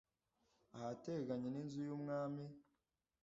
Ahateganye N Inzu Y Umwami